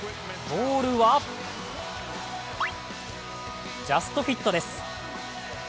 ボールはジャストフィットです。